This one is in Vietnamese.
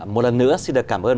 một lần nữa xin được cảm ơn